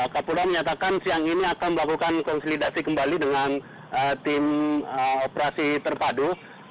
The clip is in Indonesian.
kapolda menyatakan siang ini akan melakukan konsolidasi kembali dengan tim operasi terpadu